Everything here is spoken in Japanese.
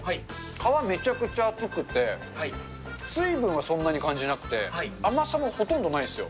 皮めちゃくちゃ厚くて、水分はそんなに感じなくて、甘さもほとんどないんですよ。